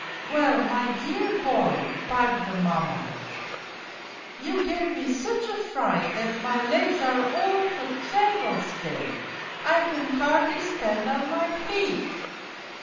"' Well, my dear boy,' piped the^ mamma, ' you gave me such a fright that my legs are all of a tremble still, I can hardly stand on my feet